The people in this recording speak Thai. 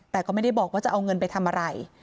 แต่ก็ไม่ได้บอกว่าจะเอาเงินไปทำอะไร